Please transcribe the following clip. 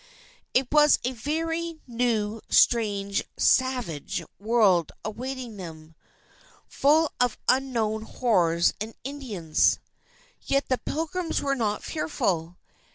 It was a very new, strange, savage world awaiting them, full of unknown horrors and Indians. Yet the Pilgrims were not fearful.